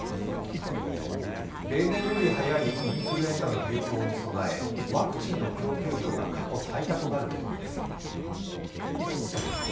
例年より早いインフルエンザに備え、ワクチンの供給量が過去最多となる見込みです。